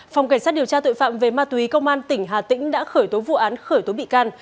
phòng cảnh sát điều tra tội phạm về ma túy công an tỉnh hà tĩnh đã khởi tố vụ án khởi tố bị can